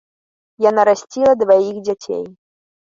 Яна расціла дваіх дзяцей.